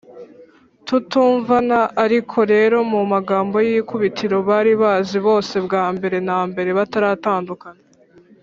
tutumvana. ariko rero mu magambo y’ikubitiro bari bazi bose bwa mbere na mbere bataratandukana,